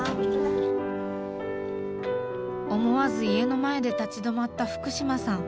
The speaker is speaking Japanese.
思わず家の前で立ち止まった福島さん。